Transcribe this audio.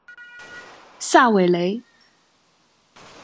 萨韦雷。